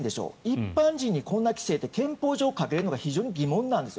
一般人にこんな規制って憲法上かけられるのか非常に疑問なんです。